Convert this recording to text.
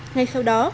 ngay sau đó